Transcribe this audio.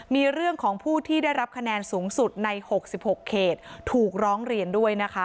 มีเรื่องของผู้ที่ได้รับคะแนนสูงสุดใน๖๖เขตถูกร้องเรียนด้วยนะคะ